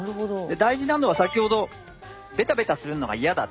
大事なのは先ほどベタベタするのが嫌だって。